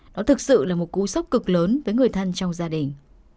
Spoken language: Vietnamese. nó thực sự là một cú sốc cực lớn với người thân trong gia đình